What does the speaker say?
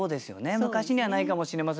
昔にはないかもしれませんけども。